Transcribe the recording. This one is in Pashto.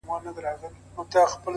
o سیاه پوسي ده خاوند یې ورک دی؛